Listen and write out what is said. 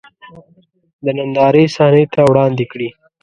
د نندارې صحنې ته وړاندې کړي.